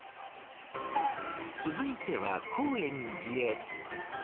続いては、高円寺へ。